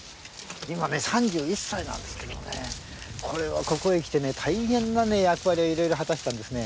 今、３１歳なんですけどもねこれはここへきて、大変な役割を色々果たしたんですね。